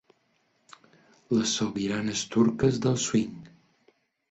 Les sobiranes turques del swing.